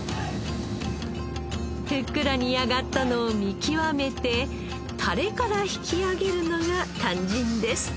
ふっくら煮上がったのを見極めてタレから引き上げるのが肝心です。